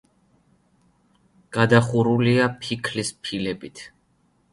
გადახურულია ფიქლის ფილებით.